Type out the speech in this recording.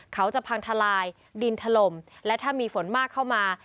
เขาจะพังทลายดินถล่มและถ้ามีฝนมากเข้ามา